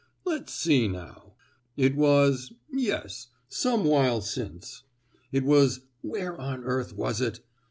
"Let's see, now: it was—yes—some while since. It was—where on earth was it?